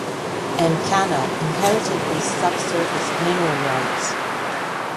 EnCana inherited these subsurface mineral rights.